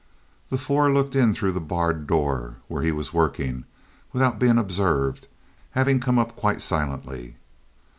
The four looked in through the barred door where he was working, without being observed, having come up quite silently.